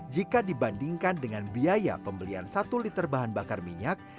jika dibandingkan dengan biaya pembelian satu liter bahan bakar minyak